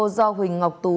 do huỳnh ngọc tú